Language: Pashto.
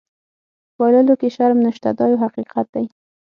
په بایللو کې شرم نشته دا یو حقیقت دی.